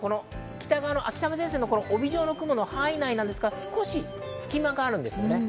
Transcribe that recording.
関東も北側の秋雨前線の帯状の雲の範囲内なんですが、少し隙間があるんですよね。